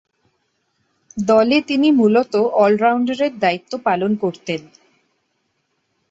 দলে তিনি মূলতঃ অল-রাউন্ডারের দায়িত্ব পালন করতেন।